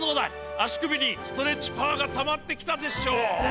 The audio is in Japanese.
足首にストレッチパワーがたまってきたでしょう。